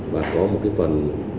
và có một cái phần